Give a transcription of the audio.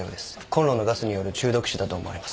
こんろのガスによる中毒死だと思われます。